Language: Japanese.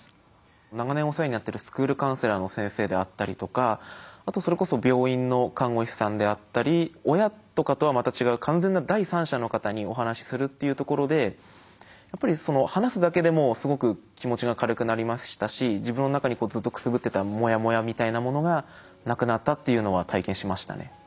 長年お世話になってるスクールカウンセラーの先生であったりとかあとそれこそ病院の看護師さんであったり親とかとはまた違う完全な第三者の方にお話しするっていうところでやっぱり話すだけでもすごく気持ちが軽くなりましたし自分の中にずっとくすぶってたモヤモヤみたいなものがなくなったっていうのは体験しましたね。